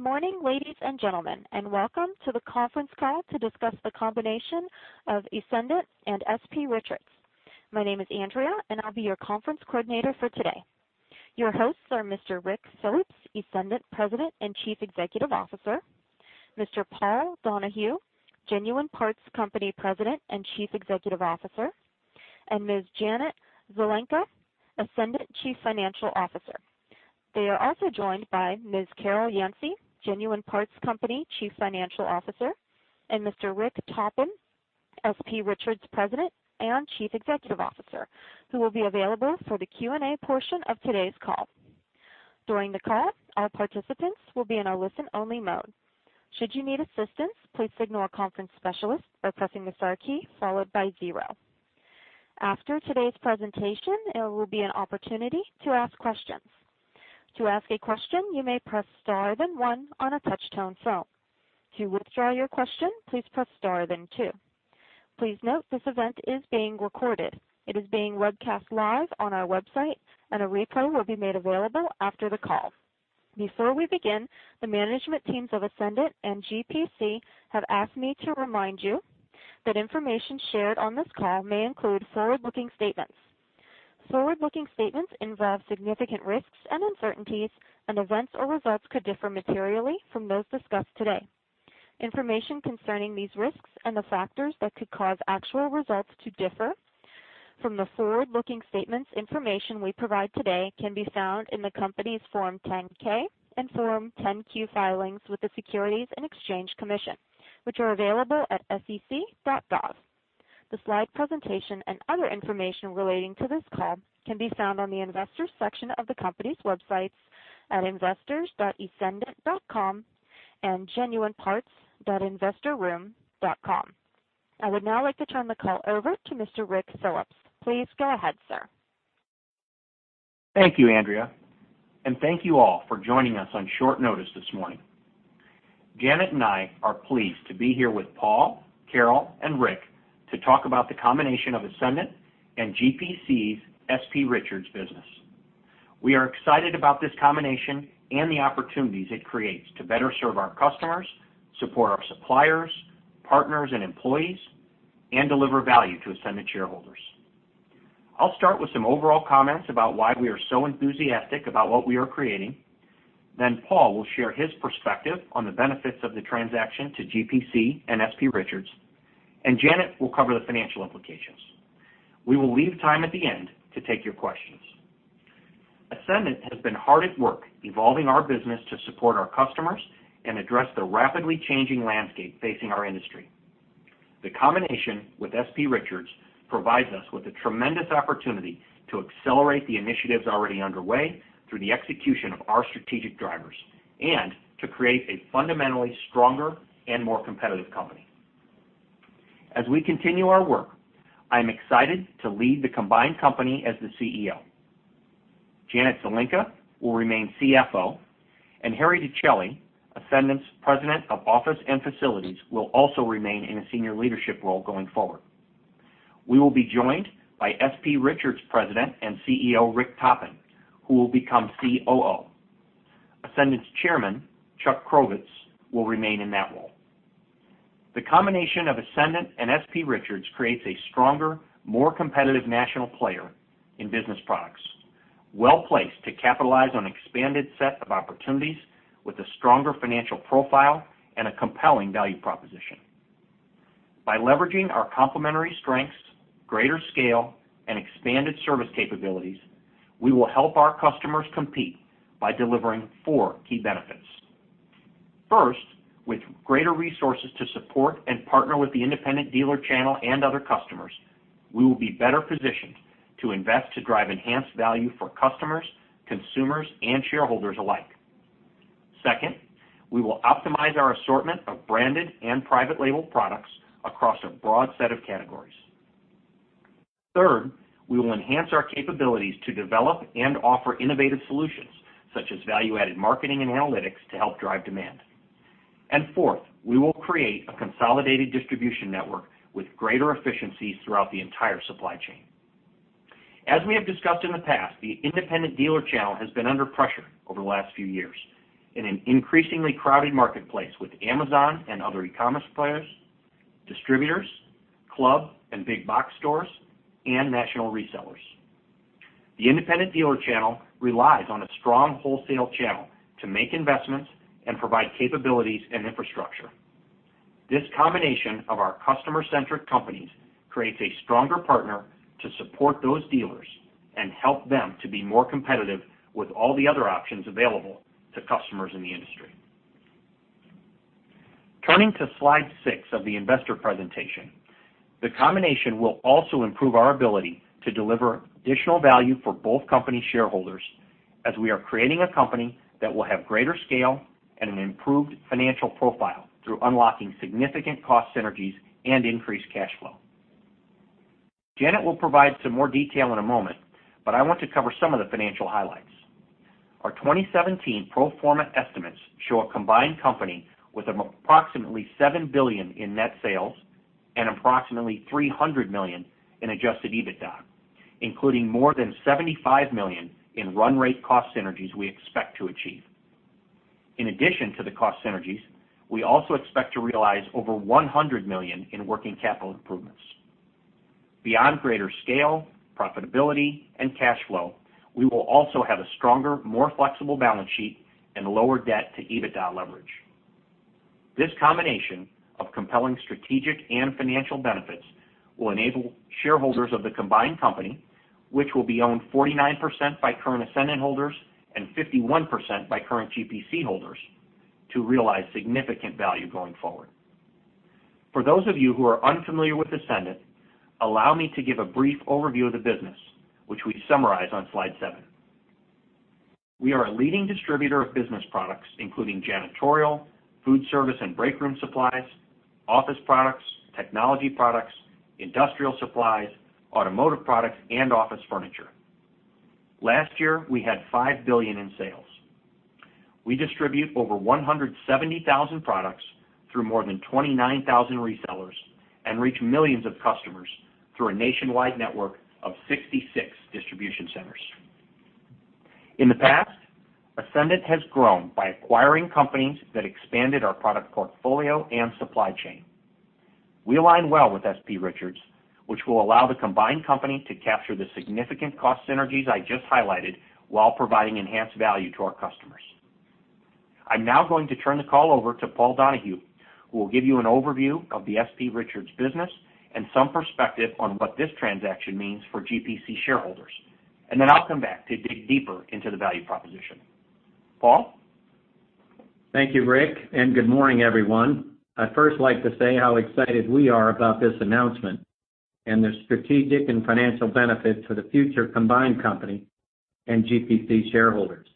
Good morning, ladies and gentlemen, welcome to the conference call to discuss the combination of Essendant and S.P. Richards. My name is Andrea, and I will be your conference coordinator for today. Your hosts are Mr. Ric Phillips, Essendant President and Chief Executive Officer. Mr. Paul Donahue, Genuine Parts Company President and Chief Executive Officer, and Ms. Janet Zelenka, Essendant Chief Financial Officer. They are also joined by Ms. Carol Yancey, Genuine Parts Company Chief Financial Officer, and Mr. Rick Toppin, S.P. Richards President and Chief Executive Officer, who will be available for the Q&A portion of today's call. During the call, all participants will be in a listen-only mode. Should you need assistance, please signal a conference specialist by pressing the star key followed by zero. After today's presentation, there will be an opportunity to ask questions. To ask a question, you may press star then one on a touch-tone phone. To withdraw your question, please press star then two. Please note this event is being recorded. It is being webcast live on our website, and a replay will be made available after the call. Before we begin, the management teams of Essendant and GPC have asked me to remind you that information shared on this call may include forward-looking statements. Forward-looking statements involve significant risks and uncertainties, and events or results could differ materially from those discussed today. Information concerning these risks and the factors that could cause actual results to differ from the forward-looking statements information we provide today can be found in the company's Form 10-K and Form 10-Q filings with the Securities and Exchange Commission, which are available at sec.gov. The slide presentation and other information relating to this call can be found on the investors section of the company's websites at investors.essendant.com and genuineparts.investorroom.com. I would now like to turn the call over to Mr. Ric Phillips. Please go ahead, sir. Thank you, Andrea, and thank you all for joining us on short notice this morning. Janet and I are pleased to be here with Paul, Carol, and Rick to talk about the combination of Essendant and GPC's S.P. Richards business. We are excited about this combination and the opportunities it creates to better serve our customers, support our suppliers, partners, and employees, and deliver value to Essendant shareholders. I will start with some overall comments about why we are so enthusiastic about what we are creating. Paul will share his perspective on the benefits of the transaction to GPC and S.P. Richards, and Janet will cover the financial implications. We will leave time at the end to take your questions. Essendant has been hard at work evolving our business to support our customers and address the rapidly changing landscape facing our industry. The combination with S.P. S.P. Richards provides us with a tremendous opportunity to accelerate the initiatives already underway through the execution of our strategic drivers, and to create a fundamentally stronger and more competitive company. As we continue our work, I am excited to lead the combined company as the CEO. Janet Zelenka will remain CFO, and Harry Dochelli, Essendant's President of Office and Facilities, will also remain in a senior leadership role going forward. We will be joined by S.P. Richards President and CEO, Rick Toppin, who will become COO. Essendant's Chairman, Chuck Crovitz, will remain in that role. The combination of Essendant and S.P. Richards creates a stronger, more competitive national player in business products, well-placed to capitalize on expanded set of opportunities with a stronger financial profile and a compelling value proposition. By leveraging our complementary strengths, greater scale, and expanded service capabilities, we will help our customers compete by delivering four key benefits. First, with greater resources to support and partner with the independent dealer channel and other customers, we will be better positioned to invest to drive enhanced value for customers, consumers, and shareholders alike. Second, we will optimize our assortment of branded and private label products across a broad set of categories. Third, we will enhance our capabilities to develop and offer innovative solutions, such as value-added marketing and analytics to help drive demand. Fourth, we will create a consolidated distribution network with greater efficiencies throughout the entire supply chain. As we have discussed in the past, the independent dealer channel has been under pressure over the last few years in an increasingly crowded marketplace with Amazon and other e-commerce players, distributors, club and big box stores, and national resellers. The independent dealer channel relies on a strong wholesale channel to make investments and provide capabilities and infrastructure. This combination of our customer-centric companies creates a stronger partner to support those dealers and help them to be more competitive with all the other options available to customers in the industry. Turning to slide six of the investor presentation, the combination will also improve our ability to deliver additional value for both company shareholders as we are creating a company that will have greater scale and an improved financial profile through unlocking significant cost synergies and increased cash flow. Janet will provide some more detail in a moment, I want to cover some of the financial highlights. Our 2017 pro forma estimates show a combined company with approximately $7 billion in net sales and approximately $300 million in adjusted EBITDA, including more than $75 million in run rate cost synergies we expect to achieve. In addition to the cost synergies, we also expect to realize over $100 million in working capital improvements. Beyond greater scale, profitability and cash flow, we will also have a stronger, more flexible balance sheet and a lower debt to EBITDA leverage. This combination of compelling strategic and financial benefits will enable shareholders of the combined company, which will be owned 49% by current Essendant holders and 51% by current GPC holders, to realize significant value going forward. For those of you who are unfamiliar with Essendant, allow me to give a brief overview of the business, which we summarize on slide seven. We are a leading distributor of business products including janitorial, food service and break room supplies, office products, technology products, industrial supplies, automotive products, and office furniture. Last year, we had $5 billion in sales. We distribute over 170,000 products through more than 29,000 resellers, and reach millions of customers through a nationwide network of 66 distribution centers. In the past, Essendant has grown by acquiring companies that expanded our product portfolio and supply chain. We align well with S.P. Richards, which will allow the combined company to capture the significant cost synergies I just highlighted, while providing enhanced value to our customers. I am now going to turn the call over to Paul Donahue, who will give you an overview of the S.P. Richards business and some perspective on what this transaction means for GPC shareholders. Then I will come back to dig deeper into the value proposition. Paul? Thank you, Rick, good morning, everyone. I would first like to say how excited we are about this announcement and the strategic and financial benefits for the future combined company and GPC shareholders.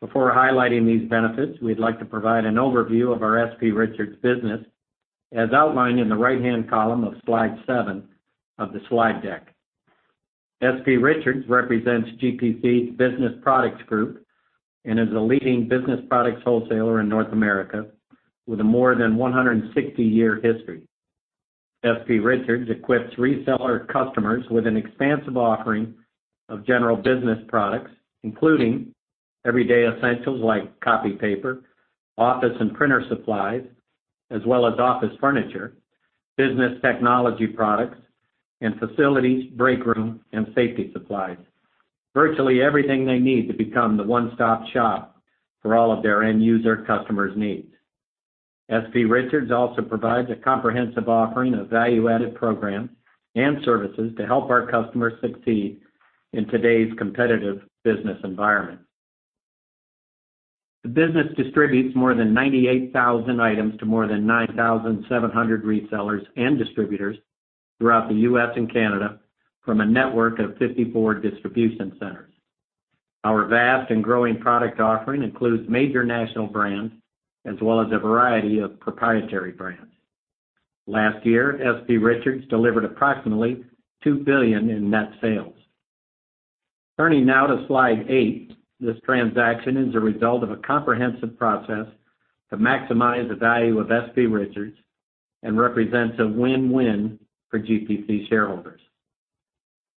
Before highlighting these benefits, we would like to provide an overview of our S.P. Richards business, as outlined in the right-hand column of slide seven of the slide deck. S.P. Richards represents GPC's Business Products Group and is a leading business products wholesaler in North America, with a more than 160-year history. S.P. Richards equips reseller customers with an expansive offering of general business products, including everyday essentials like copy paper, office and printer supplies, as well as office furniture, business technology products, and facilities, break room, and safety supplies. Virtually everything they need to become the one-stop shop for all of their end user customers' needs. S.P. Richards also provides a comprehensive offering of value-added programs and services to help our customers succeed in today's competitive business environment. The business distributes more than 98,000 items to more than 9,700 resellers and distributors throughout the U.S. and Canada from a network of 54 distribution centers. Our vast and growing product offering includes major national brands, as well as a variety of proprietary brands. Last year, S.P. Richards delivered approximately $2 billion in net sales. Turning now to slide eight. This transaction is a result of a comprehensive process to maximize the value of S.P. Richards and represents a win-win for GPC shareholders.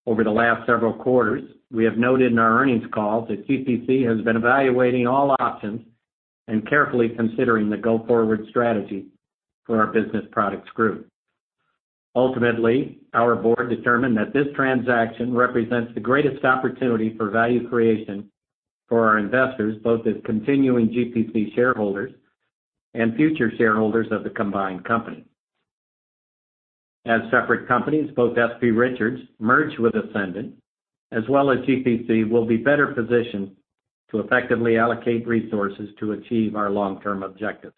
Over the last several quarters, we have noted in our earnings calls that GPC has been evaluating all options and carefully considering the go-forward strategy for our Business Products Group. Ultimately, our board determined that this transaction represents the greatest opportunity for value creation for our investors, both as continuing GPC shareholders and future shareholders of the combined company. As separate companies, both S.P. Richards merged with Essendant, as well as GPC, will be better positioned to effectively allocate resources to achieve our long-term objectives.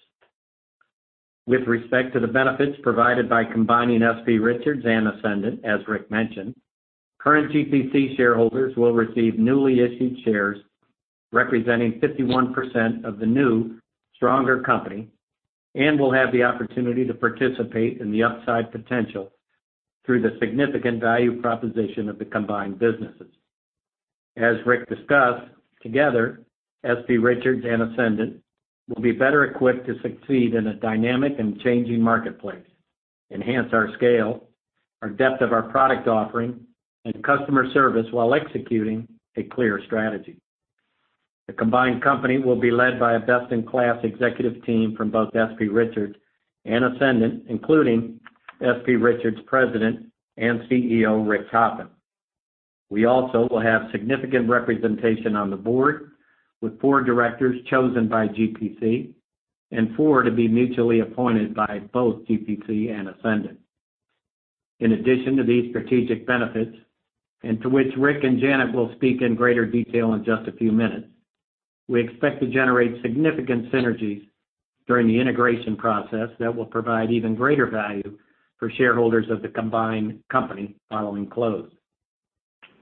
With respect to the benefits provided by combining S.P. Richards and Essendant, as Rick mentioned, current GPC shareholders will receive newly issued shares representing 51% of the new, stronger company and will have the opportunity to participate in the upside potential through the significant value proposition of the combined businesses. As Rick discussed, together, S.P. Richards and Essendant will be better equipped to succeed in a dynamic and changing marketplace, enhance our scale, our depth of our product offering, and customer service while executing a clear strategy. The combined company will be led by a best-in-class executive team from both S.P. Richards and Essendant, including S.P. Richards President and CEO, Rick Toppin. We also will have significant representation on the board with four directors chosen by GPC and four to be mutually appointed by both GPC and Essendant. In addition to these strategic benefits, to which Rick and Janet will speak in greater detail in just a few minutes, we expect to generate significant synergies during the integration process that will provide even greater value for shareholders of the combined company following close.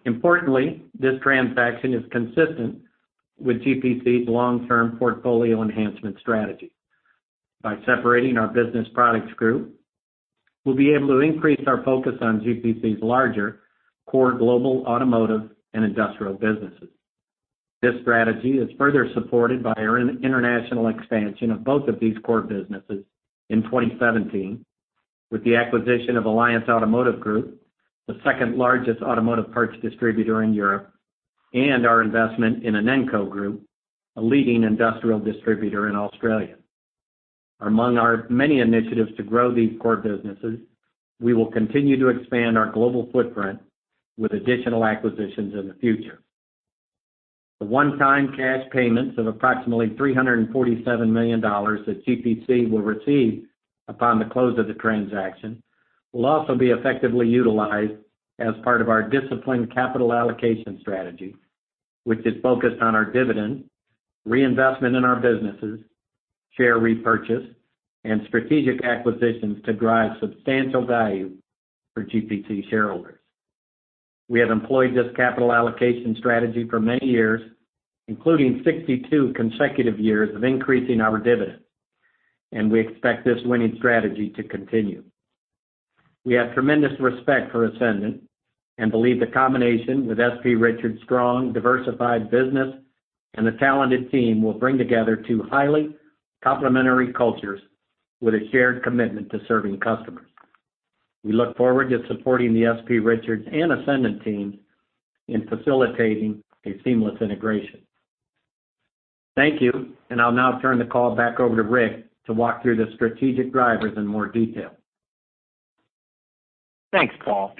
Importantly, this transaction is consistent with GPC's long-term portfolio enhancement strategy. By separating our Business Products Group, we'll be able to increase our focus on GPC's larger core global automotive and industrial businesses. This strategy is further supported by our international expansion of both of these core businesses in 2017, with the acquisition of Alliance Automotive Group, the second largest automotive parts distributor in Europe, and our investment in Inenco Group, a leading industrial distributor in Australia. Among our many initiatives to grow these core businesses, we will continue to expand our global footprint with additional acquisitions in the future. The one-time cash payments of approximately $347 million that GPC will receive upon the close of the transaction will also be effectively utilized as part of our disciplined capital allocation strategy, which is focused on our dividend, reinvestment in our businesses, share repurchase, and strategic acquisitions to drive substantial value for GPC shareholders. We have employed this capital allocation strategy for many years, including 62 consecutive years of increasing our dividend, and we expect this winning strategy to continue. We have tremendous respect for Essendant and believe the combination with S.P. Richards' strong, diversified business and the talented team will bring together two highly complementary cultures with a shared commitment to serving customers. We look forward to supporting the S.P. Richards and Essendant team in facilitating a seamless integration. Thank you. I'll now turn the call back over to Rick to walk through the strategic drivers in more detail. Thanks, Paul.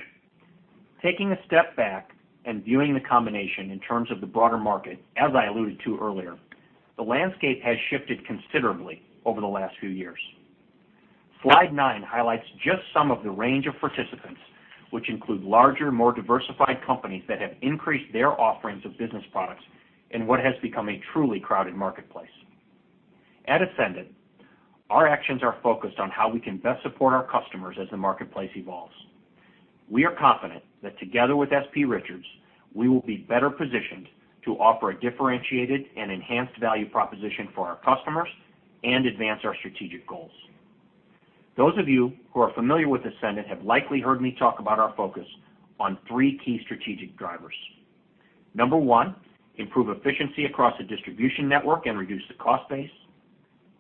Taking a step back and viewing the combination in terms of the broader market, as I alluded to earlier, the landscape has shifted considerably over the last few years. Slide nine highlights just some of the range of participants, which include larger, more diversified companies that have increased their offerings of business products in what has become a truly crowded marketplace. At Essendant, our actions are focused on how we can best support our customers as the marketplace evolves. We are confident that together with S.P. Richards, we will be better positioned to offer a differentiated and enhanced value proposition for our customers and advance our strategic goals. Those of you who are familiar with Essendant have likely heard me talk about our focus on three key strategic drivers. Number one, improve efficiency across the distribution network and reduce the cost base.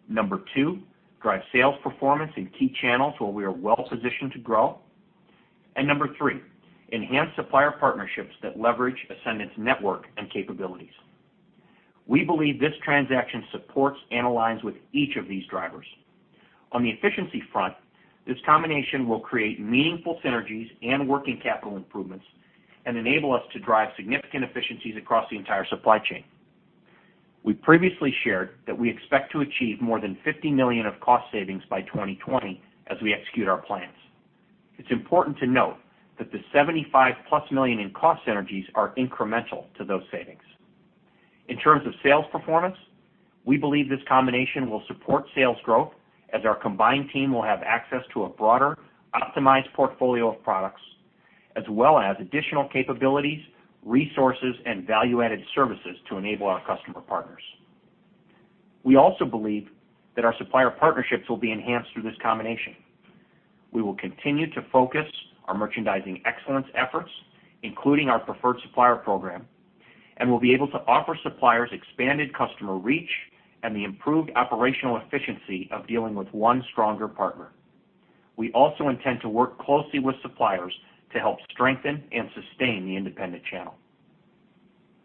Number two, drive sales performance in key channels where we are well-positioned to grow. Number three, enhance supplier partnerships that leverage Essendant's network and capabilities. We believe this transaction supports and aligns with each of these drivers. On the efficiency front, this combination will create meaningful synergies and working capital improvements and enable us to drive significant efficiencies across the entire supply chain. We previously shared that we expect to achieve more than $50 million of cost savings by 2020 as we execute our plans. It's important to note that the $75-plus million in cost synergies are incremental to those savings. In terms of sales performance, we believe this combination will support sales growth as our combined team will have access to a broader, optimized portfolio of products as well as additional capabilities, resources, and value-added services to enable our customer partners. We also believe that our supplier partnerships will be enhanced through this combination. We will continue to focus our merchandising excellence efforts, including our preferred supplier program, and we'll be able to offer suppliers expanded customer reach and the improved operational efficiency of dealing with one stronger partner. We also intend to work closely with suppliers to help strengthen and sustain the independent channel.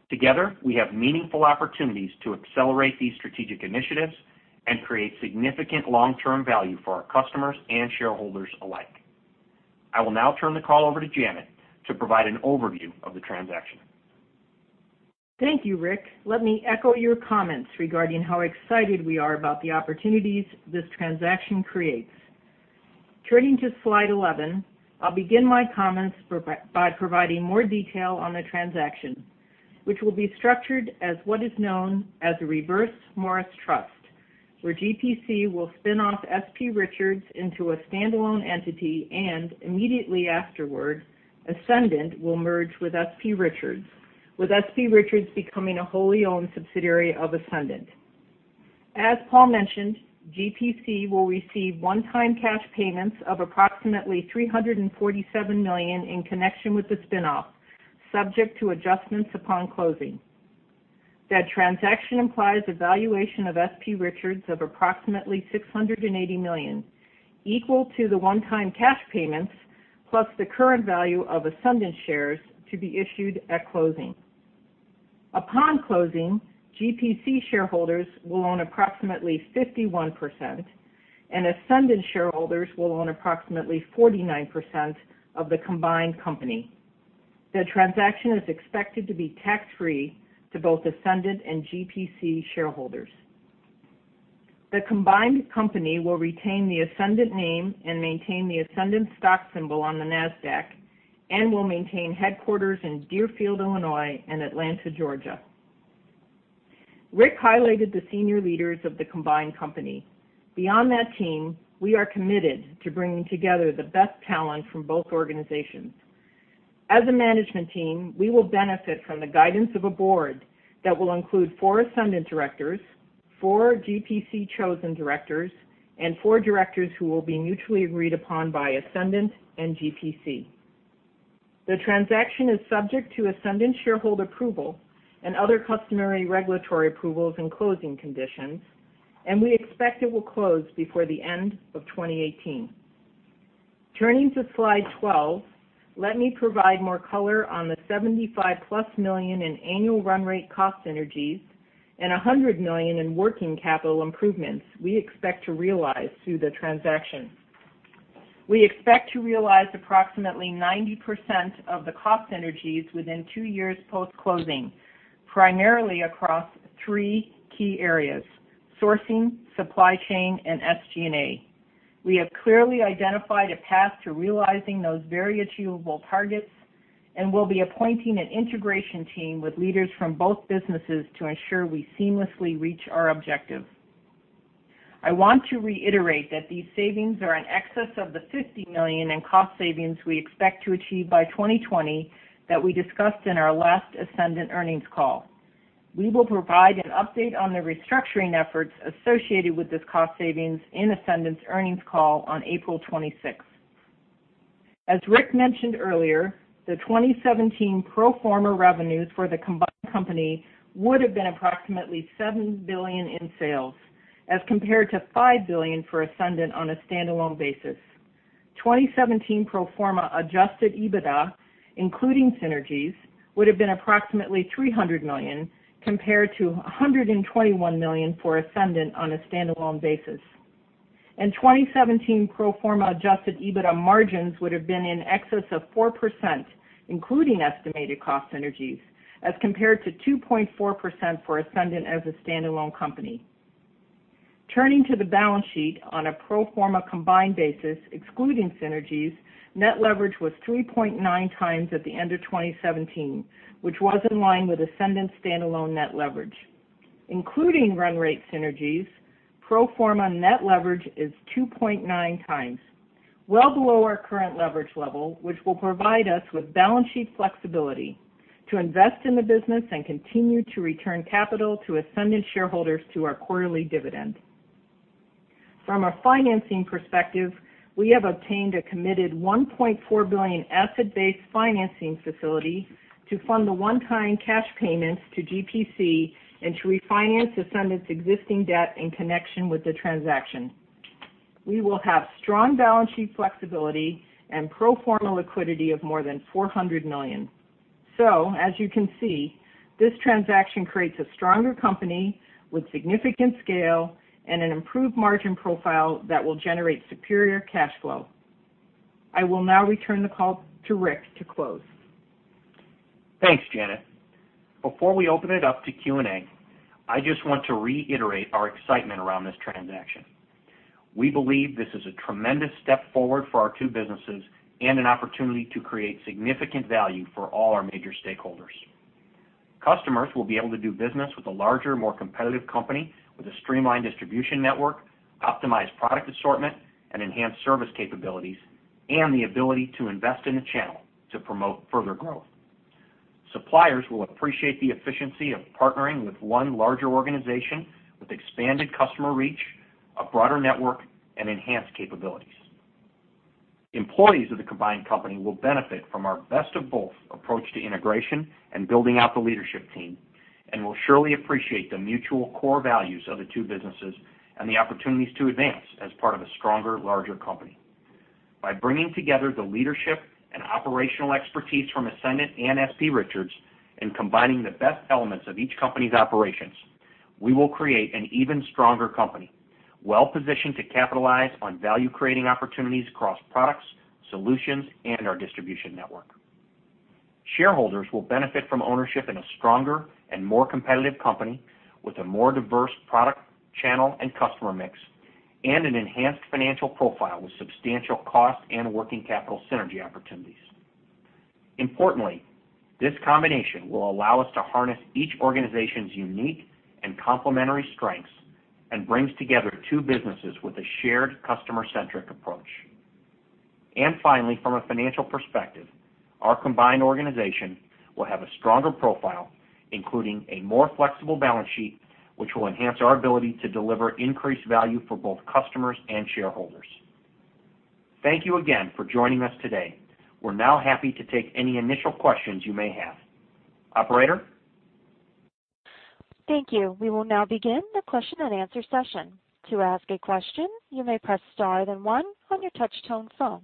Together, we have meaningful opportunities to accelerate these strategic initiatives and create significant long-term value for our customers and shareholders alike. I will now turn the call over to Janet to provide an overview of the transaction. Thank you, Rick. Let me echo your comments regarding how excited we are about the opportunities this transaction creates. Turning to slide 11, I'll begin my comments by providing more detail on the transaction, which will be structured as what is known as a Reverse Morris Trust, where GPC will spin off S.P. Richards into a standalone entity, and immediately afterward, Essendant will merge with S.P. Richards, with S.P. Richards becoming a wholly owned subsidiary of Essendant. As Paul mentioned, GPC will receive one-time cash payments of approximately $347 million in connection with the spin-off, subject to adjustments upon closing. That transaction implies a valuation of S.P. Richards of approximately $680 million, equal to the one-time cash payments plus the current value of Essendant shares to be issued at closing. Upon closing, GPC shareholders will own approximately 51%, and Essendant shareholders will own approximately 49% of the combined company. The transaction is expected to be tax-free to both Essendant and GPC shareholders. The combined company will retain the Essendant name and maintain the Essendant stock symbol on the Nasdaq and will maintain headquarters in Deerfield, Illinois and Atlanta, Georgia. Ric highlighted the senior leaders of the combined company. Beyond that team, we are committed to bringing together the best talent from both organizations. As a management team, we will benefit from the guidance of a board that will include four Essendant directors, four GPC-chosen directors, and four directors who will be mutually agreed upon by Essendant and GPC. The transaction is subject to Essendant shareholder approval and other customary regulatory approvals and closing conditions, and we expect it will close before the end of 2018. Turning to slide 12, let me provide more color on the $75+ million in annual run rate cost synergies and $100 million in working capital improvements we expect to realize through the transaction. We expect to realize approximately 90% of the cost synergies within two years post-closing, primarily across three key areas: sourcing, supply chain, and SG&A. We have clearly identified a path to realizing those very achievable targets, and we'll be appointing an integration team with leaders from both businesses to ensure we seamlessly reach our objective. I want to reiterate that these savings are in excess of the $50 million in cost savings we expect to achieve by 2020 that we discussed in our last Essendant earnings call. We will provide an update on the restructuring efforts associated with this cost savings in Essendant's earnings call on April 26th. As Ric mentioned earlier, the 2017 pro forma revenues for the combined company would've been approximately $7 billion in sales as compared to $5 billion for Essendant on a standalone basis. 2017 pro forma adjusted EBITDA, including synergies, would've been approximately $300 million compared to $121 million for Essendant on a standalone basis. 2017 pro forma adjusted EBITDA margins would've been in excess of 4%, including estimated cost synergies as compared to 2.4% for Essendant as a standalone company. Turning to the balance sheet on a pro forma combined basis, excluding synergies, net leverage was 3.9 times at the end of 2017, which was in line with Essendant's standalone net leverage. Including run rate synergies, pro forma net leverage is 2.9 times, well below our current leverage level, which will provide us with balance sheet flexibility to invest in the business and continue to return capital to Essendant shareholders through our quarterly dividend. From a financing perspective, we have obtained a committed $1.4 billion asset-based financing facility to fund the one-time cash payments to GPC and to refinance Essendant's existing debt in connection with the transaction. We will have strong balance sheet flexibility and pro forma liquidity of more than $400 million. As you can see, this transaction creates a stronger company with significant scale and an improved margin profile that will generate superior cash flow. I will now return the call to Ric to close. Thanks, Janet. Before we open it up to Q&A, I just want to reiterate our excitement around this transaction. We believe this is a tremendous step forward for our two businesses and an opportunity to create significant value for all our major stakeholders. Customers will be able to do business with a larger, more competitive company with a streamlined distribution network, optimized product assortment, and enhanced service capabilities, and the ability to invest in the channel to promote further growth. Suppliers will appreciate the efficiency of partnering with one larger organization with expanded customer reach, a broader network, and enhanced capabilities. Employees of the combined company will benefit from our best of both approach to integration and building out the leadership team and will surely appreciate the mutual core values of the two businesses and the opportunities to advance as part of a stronger, larger company. By bringing together the leadership and operational expertise from Essendant and S.P. Richards and combining the best elements of each company's operations, we will create an even stronger company, well-positioned to capitalize on value-creating opportunities across products, solutions, and our distribution network. Shareholders will benefit from ownership in a stronger and more competitive company with a more diverse product, channel, and customer mix, and an enhanced financial profile with substantial cost and working capital synergy opportunities. Importantly, this combination will allow us to harness each organization's unique and complementary strengths and brings together two businesses with a shared customer-centric approach. Finally, from a financial perspective, our combined organization will have a stronger profile, including a more flexible balance sheet, which will enhance our ability to deliver increased value for both customers and shareholders. Thank you again for joining us today. We're now happy to take any initial questions you may have. Operator? Thank you. We will now begin the question and answer session. To ask a question, you may press star then one on your touch-tone phone.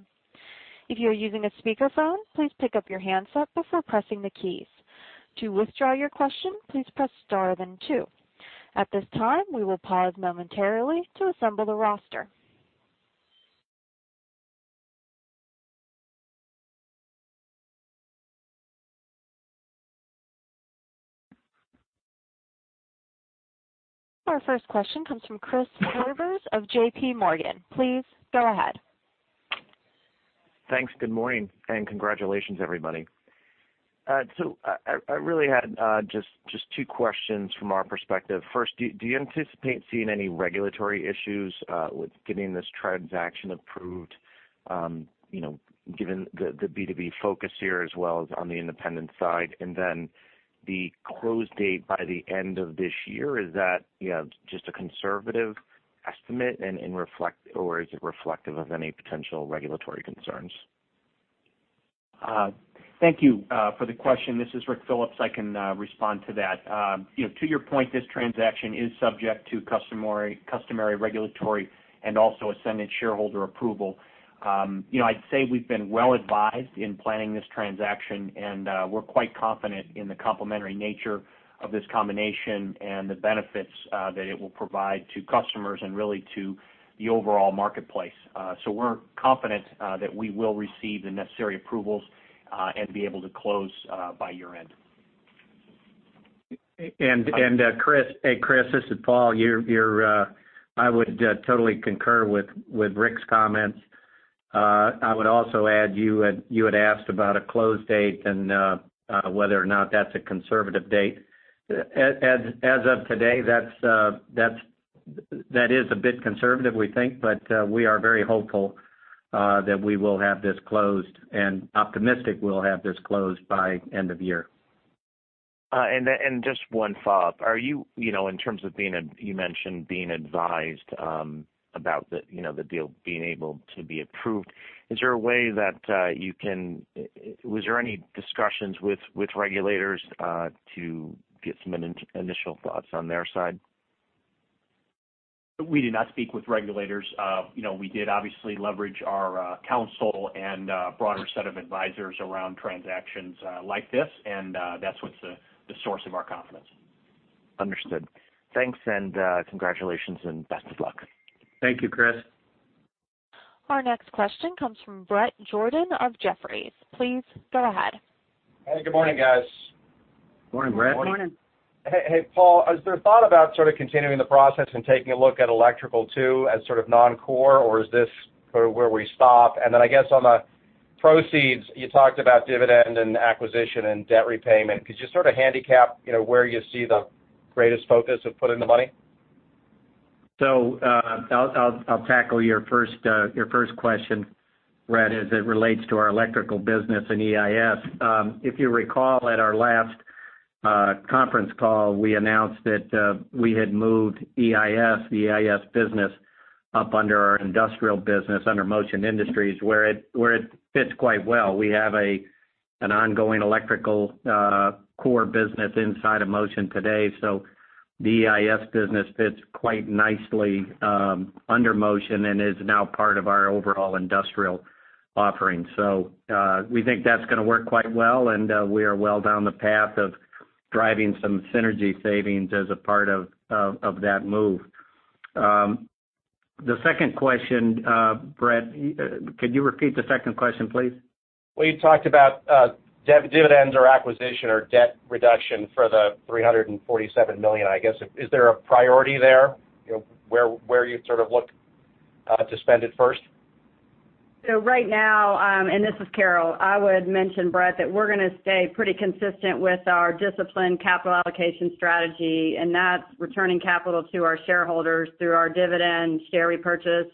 If you are using a speakerphone, please pick up your handset before pressing the keys. To withdraw your question, please press star then two. At this time, we will pause momentarily to assemble the roster. Our first question comes from Chris Horvers of JP Morgan. Please go ahead. Thanks. Good morning, and congratulations, everybody. I really had just two questions from our perspective. First, do you anticipate seeing any regulatory issues with getting this transaction approved given the B2B focus here as well as on the independent side? The close date by the end of this year, is that just a conservative estimate and reflect, or is it reflective of any potential regulatory concerns? Thank you for the question. This is Ric Phillips. I can respond to that. To your point, this transaction is subject to customary regulatory and also Essendant shareholder approval. I'd say we've been well-advised in planning this transaction, and we're quite confident in the complementary nature of this combination and the benefits that it will provide to customers and really to the overall marketplace. We're confident that we will receive the necessary approvals, and be able to close by year-end. Chris. Hey, Chris, this is Paul. I would totally concur with Rick's comments. I would also add, you had asked about a close date and whether or not that's a conservative date. As of today, that is a bit conservative, we think, but we are very hopeful that we will have this closed and optimistic we'll have this closed by end of year. Just one follow-up. In terms of, you mentioned being advised about the deal being able to be approved, was there any discussions with regulators to get some initial thoughts on their side? We did not speak with regulators. We did obviously leverage our counsel and a broader set of advisors around transactions like this, and that's what's the source of our confidence. Understood. Thanks, congratulations, and best of luck. Thank you, Chris. Our next question comes from Bret Jordan of Jefferies. Please go ahead. Hey, good morning, guys. Morning, Bret. Morning. Hey, Paul, has there thought about continuing the process and taking a look at electrical too, as non-core, or is this where we stop? Then, I guess on the proceeds, you talked about dividend and acquisition and debt repayment. Could you sort of handicap where you see the greatest focus of putting the money? I'll tackle your first question, Bret, as it relates to our electrical business and EIS. If you recall, at our last conference call, we announced that we had moved the EIS business up under our industrial business under Motion Industries, where it fits quite well. We have an ongoing electrical core business inside of Motion today, the EIS business fits quite nicely under Motion and is now part of our overall industrial offering. We think that's going to work quite well, and we are well down the path of driving some synergy savings as a part of that move. The second question, Bret, could you repeat the second question, please? Well, you talked about dividends or acquisition or debt reduction for the $347 million. I guess, is there a priority there, where you'd look to spend it first? Right now, and this is Carol, I would mention, Bret, that we're going to stay pretty consistent with our disciplined capital allocation strategy, and that's returning capital to our shareholders through our dividend share repurchase,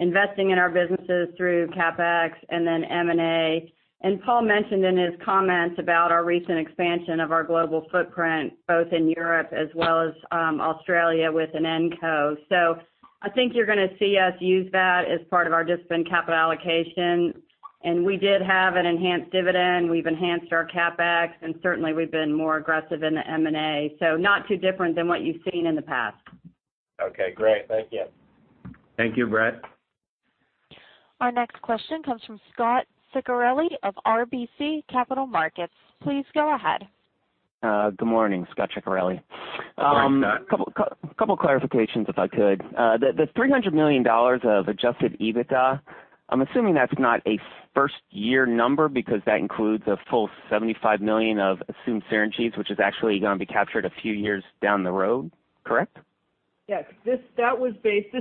investing in our businesses through CapEx, and then M&A. Paul mentioned in his comments about our recent expansion of our global footprint, both in Europe as well as Australia with Inenco. I think you're going to see us use that as part of our disciplined capital allocation. We did have an enhanced dividend. We've enhanced our CapEx, and certainly, we've been more aggressive in the M&A, not too different than what you've seen in the past. Okay, great. Thank you. Thank you, Bret. Our next question comes from Scot Ciccarelli of RBC Capital Markets. Please go ahead. Good morning. Scot Ciccarelli. Morning, Scot. A couple of clarifications, if I could. The $300 million of adjusted EBITDA, I'm assuming that's not a first-year number because that includes a full $75 million of assumed synergies, which is actually going to be captured a few years down the road. Correct? Yes. This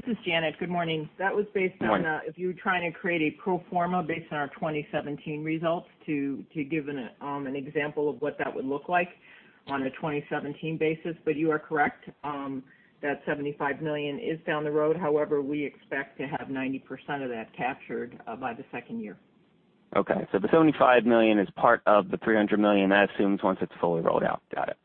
is Janet. Good morning. Good morning. That was based on if you were trying to create a pro forma based on our 2017 results to give an example of what that would look like on a 2017 basis. You are correct. That $75 million is down the road. We expect to have 90% of that captured by the second year. Okay. The $75 million is part of the $300 million. That assumes once it's fully rolled out. Got it.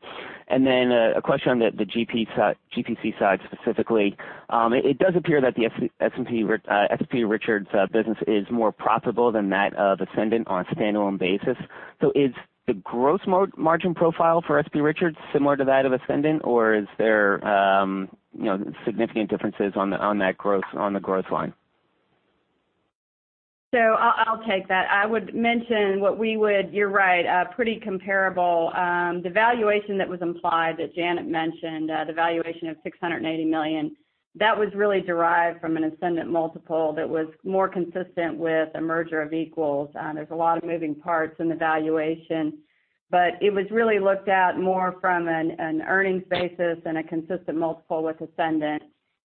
A question on the GPC side specifically. It does appear that the S.P. Richards business is more profitable than that of Essendant on a standalone basis. Is the gross margin profile for S.P. Richards similar to that of Essendant, or is there significant differences on the growth line? I'll take that. I would mention what we would. You're right. Pretty comparable. The valuation that was implied that Janet mentioned, the valuation of $680 million, that was really derived from an Essendant multiple that was more consistent with a merger of equals. There's a lot of moving parts in the valuation. It was really looked at more from an earnings basis and a consistent multiple with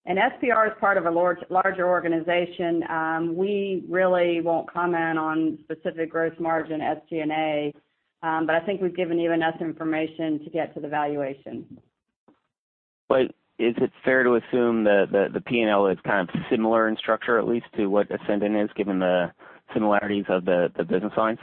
Essendant. SPR is part of a larger organization. We really won't comment on specific growth margin, SG&A. I think we've given you enough information to get to the valuation. Is it fair to assume that the P&L is kind of similar in structure, at least, to what Essendant is, given the similarities of the business lines?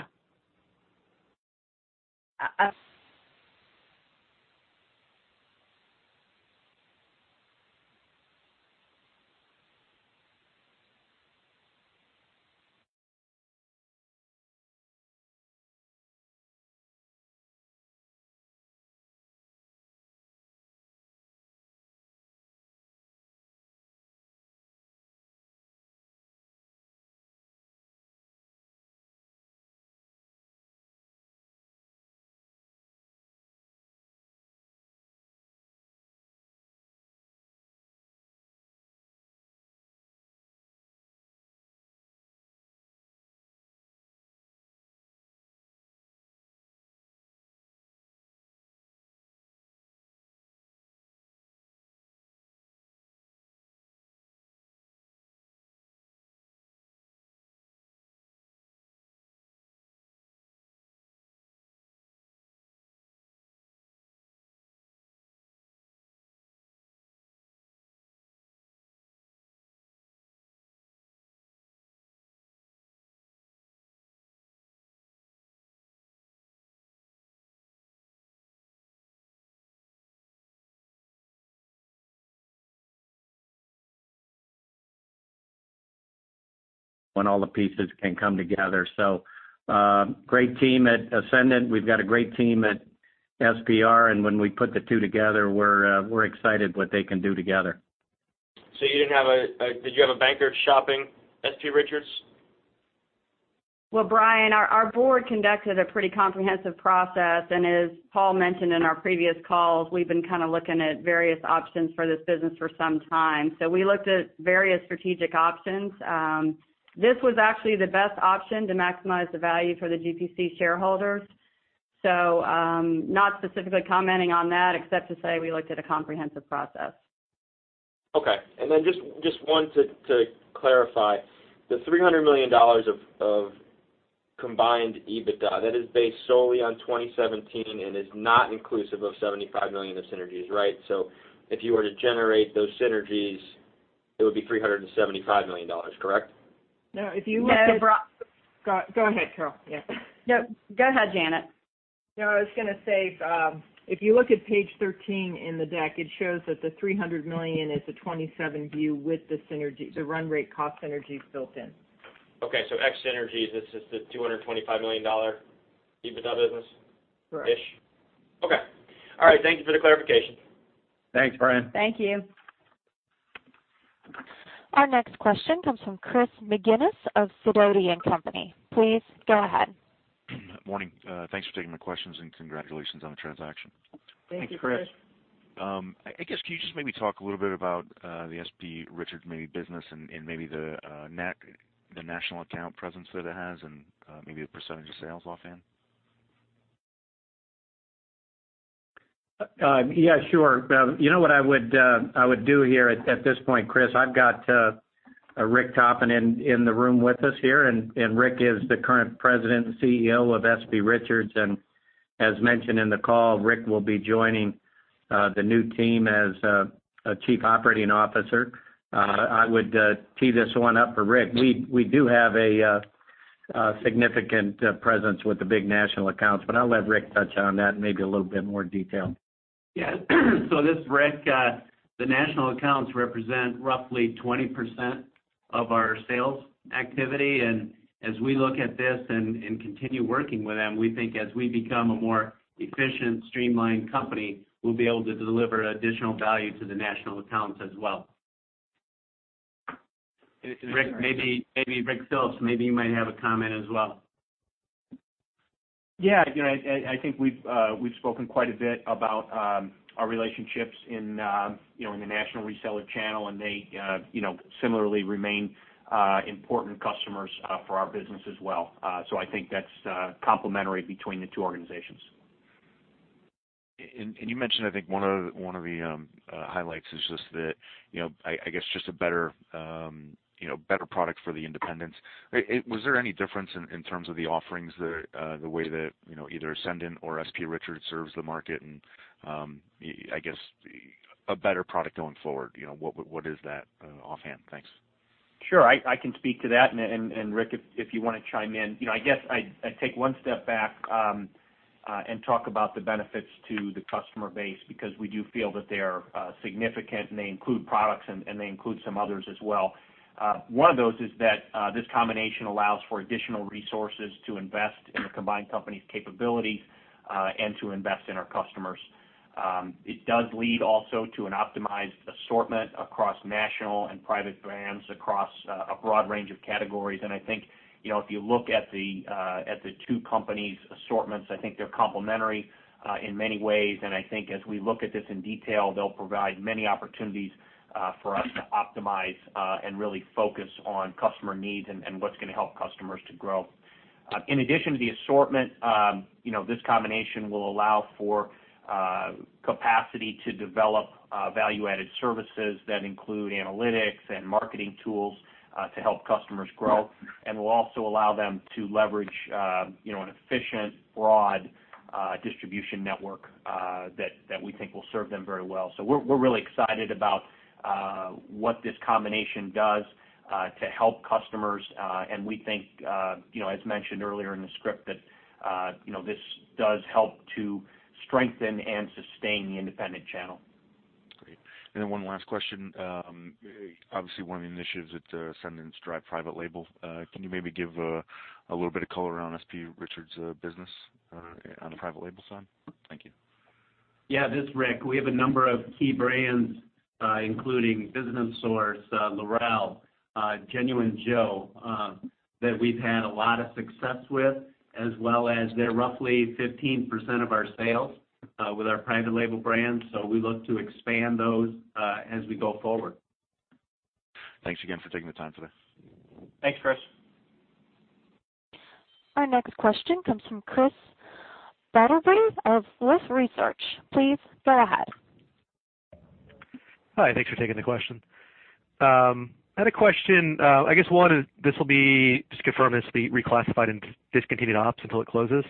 When all the pieces can come together. Great team at Essendant. We've got a great team at SPR. When we put the two together, we're excited what they can do together. Did you have a banker shopping S.P. Richards? Well, Brian, our board conducted a pretty comprehensive process. As Paul mentioned in our previous calls, we've been kind of looking at various options for this business for some time. We looked at various strategic options. This was actually the best option to maximize the value for the GPC shareholders. Not specifically commenting on that except to say we looked at a comprehensive process. Okay. Then just one to clarify, the $300 million of combined EBITDA, that is based solely on 2017 and is not inclusive of $75 million of synergies, right? If you were to generate those synergies, it would be $375 million, correct? No. If you look at- Yes, Bri- Go ahead, Carol. Yeah. Go ahead, Janet. I was going to say, if you look at page 13 in the deck, it shows that the $300 million is a 2027 view with the synergies, the run rate cost synergies built in. Okay. Ex synergies, this is the $225 million EBITDA business. Correct ish. Okay. All right. Thank you for the clarification. Thanks, Brian. Thank you. Our next question comes from Chris McGinnis of Sidoti & Company. Please go ahead. Morning. Thanks for taking my questions, congratulations on the transaction. Thank you, Chris. Thanks, Chris. I guess, can you just maybe talk a little bit about the S.P. Richards, maybe business and maybe the national account presence that it has and maybe the percentage of sales offhand? Yeah, sure. You know what I would do here at this point, Chris? I've got Rick Toppin in the room with us here, and Rick is the current President and Chief Executive Officer of S.P. Richards. As mentioned in the call, Rick will be joining the new team as Chief Operating Officer. I would tee this one up for Rick. We do have a significant presence with the big national accounts, but I'll let Rick touch on that in maybe a little bit more detail. Yes. This is Rick. The national accounts represent roughly 20% of our sales activity. As we look at this and continue working with them, we think as we become a more efficient, streamlined company, we'll be able to deliver additional value to the national accounts as well. Rick, maybe Ric Phillips, you might have a comment as well. Yeah. I think we've spoken quite a bit about our relationships in the national reseller channel, and they similarly remain important customers for our business as well. I think that's complementary between the two organizations. You mentioned, I think one of the highlights is just that, I guess just a better product for the independents. Was there any difference in terms of the offerings there, the way that either Essendant or S.P. Richards serves the market and, I guess, a better product going forward? What is that offhand? Thanks. Sure. I can speak to that and, Rick, if you want to chime in. I guess I'd take one step back and talk about the benefits to the customer base because we do feel that they are significant, and they include products and they include some others as well. One of those is that this combination allows for additional resources to invest in the combined company's capability and to invest in our customers. It does lead also to an optimized assortment across national and private brands across a broad range of categories. I think, if you look at the two companies' assortments, I think they're complementary in many ways. I think as we look at this in detail, they'll provide many opportunities for us to optimize and really focus on customer needs and what's going to help customers to grow. In addition to the assortment, this combination will allow for capacity to develop value-added services that include analytics and marketing tools to help customers grow. This will also allow them to leverage an efficient, broad distribution network that we think will serve them very well. We're really excited about what this combination does to help customers, and we think, as mentioned earlier in the script, that this does help to strengthen and sustain the independent channel. Great. Then one last question. Obviously, one of the initiatives at Essendant is to drive private label. Can you maybe give a little bit of color around S.P. Richards business on the private label side? Thank you. Yeah. This is Rick. We have a number of key brands, including Business Source, Lorell, Genuine Joe, that we've had a lot of success with, as well as they're roughly 15% of our sales with our private label brands. We look to expand those as we go forward. Thanks again for taking the time today. Thanks, Chris. Our next question comes from Chris Battleby of Roth Research. Please go ahead. Hi. Thanks for taking the question. I had a question. I guess, one, just confirm this will be reclassified in discontinued ops until it closes?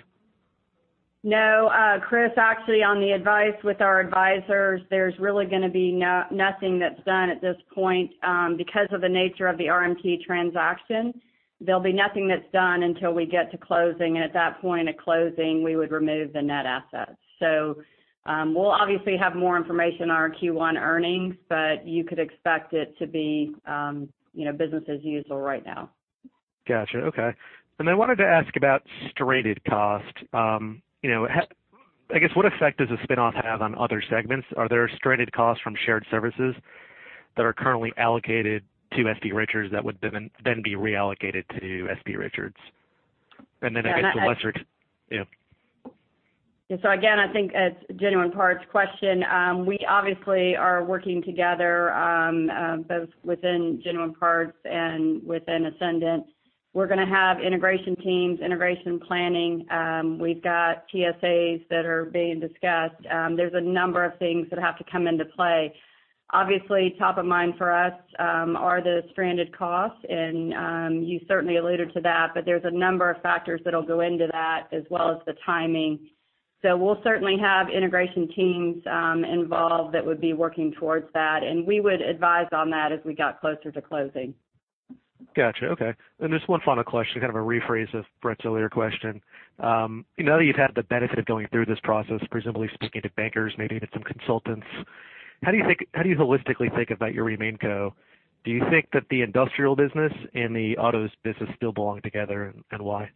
No, Chris, actually, on the advice with our advisors, there's really going to be nothing that's done at this point. Because of the nature of the RMT transaction, there'll be nothing that's done until we get to closing, and at that point of closing, we would remove the net assets. We'll obviously have more information on our Q1 earnings, you could expect it to be business as usual right now. Got you. Okay. I wanted to ask about stranded cost. I guess, what effect does the spinoff have on other segments? Are there stranded costs from shared services that are currently allocated to S.P. Richards that would then be reallocated to S.P. Richards? I guess to (Westrick). Yeah. Yeah. Again, I think it's a Genuine Parts question. We obviously are working together, both within Genuine Parts and within Essendant. We're going to have integration teams, integration planning. We've got TSAs that are being discussed. There's a number of things that have to come into play. Obviously, top of mind for us are the stranded costs, you certainly alluded to that, there's a number of factors that'll go into that as well as the timing. We'll certainly have integration teams involved that would be working towards that, we would advise on that as we got closer to closing. Got you. Okay. Just one final question, kind of a rephrase of Bret's earlier question. Now that you've had the benefit of going through this process, presumably speaking to bankers, maybe even some consultants, how do you holistically think about your remain co? Do you think that the industrial business and the autos business still belong together, and why?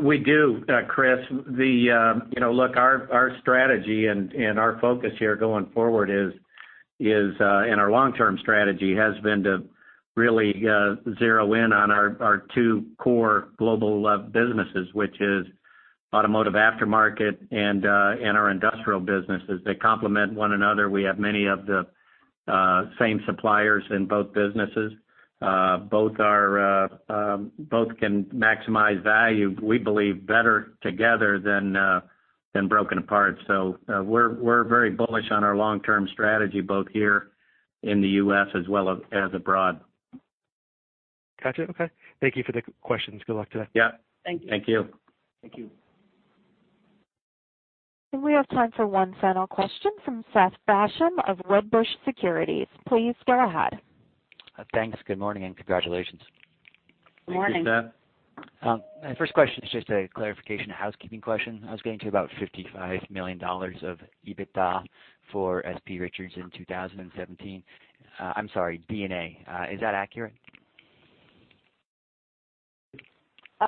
We do, Chris. Look, our strategy and our focus here going forward is, and our long-term strategy has been to really zero in on our two core global businesses, which is automotive aftermarket and our industrial businesses. They complement one another. We have many of the same suppliers in both businesses. Both can maximize value, we believe, better together than broken apart. We're very bullish on our long-term strategy, both here in the U.S. as well as abroad. Got you. Okay. Thank you for the questions. Good luck today. Yeah. Thank you. Thank you. Thank you. We have time for one final question from Seth Basham of Wedbush Securities. Please go ahead. Thanks. Good morning, congratulations. Morning. Thank you, Seth. My first question is just a clarification, a housekeeping question. I was getting to about $55 million of EBITDA for S.P. Richards in 2017. I am sorry, D&A. Is that accurate?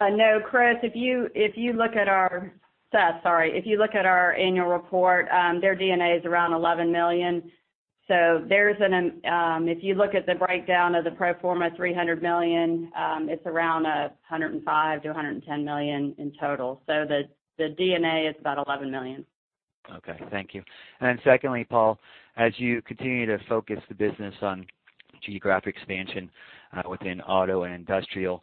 No, Seth, if you look at our annual report, their D&A is around $11 million. If you look at the breakdown of the pro forma $300 million, it is around $105 million-$110 million in total. The D&A is about $11 million. Okay. Thank you. Secondly, Paul, as you continue to focus the business on geographic expansion within auto and industrial,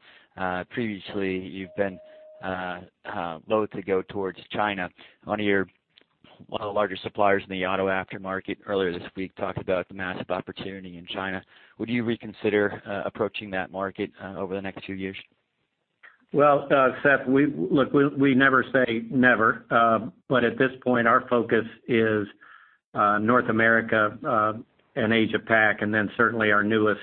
previously, you have been loathe to go towards China. One of the larger suppliers in the auto aftermarket earlier this week talked about the massive opportunity in China. Would you reconsider approaching that market over the next few years? Seth, look, we never say never. At this point, our focus is North America and Asia Pac, certainly our newest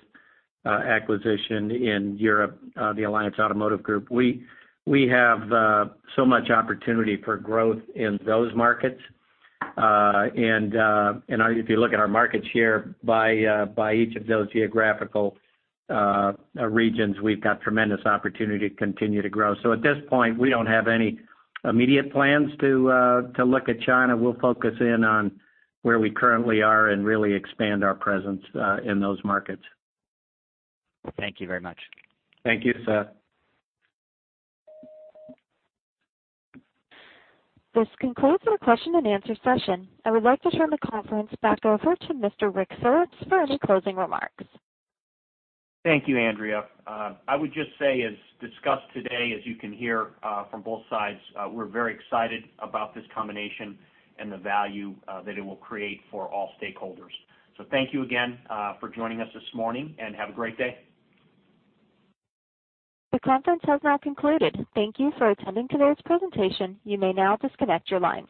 acquisition in Europe, the Alliance Automotive Group. We have so much opportunity for growth in those markets. If you look at our markets here by each of those geographical regions, we've got tremendous opportunity to continue to grow. At this point, we don't have any immediate plans to look at China. We'll focus in on where we currently are and really expand our presence in those markets. Thank you very much. Thank you, Seth. This concludes our question and answer session. I would like to turn the conference back over to Mr. Rick Surds for any closing remarks. Thank you, Andrea. I would just say, as discussed today, as you can hear from both sides, we're very excited about this combination and the value that it will create for all stakeholders. Thank you again for joining us this morning, and have a great day. The conference has now concluded. Thank you for attending today's presentation. You may now disconnect your lines.